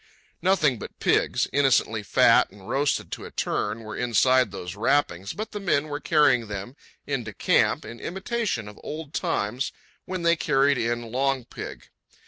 Nothing but pigs, innocently fat and roasted to a turn, were inside those wrappings, but the men were carrying them into camp in imitation of old times when they carried in "long pig."